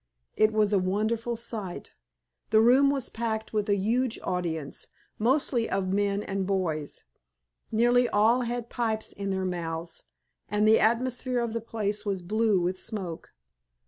It was a wonderful sight. The room was packed with a huge audience, mostly of men and boys. Nearly all had pipes in their mouths, and the atmosphere of the place was blue with smoke.